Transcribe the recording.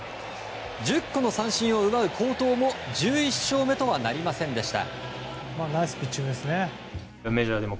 １０個の三振を奪う好投も１１勝目とはなりませんでした。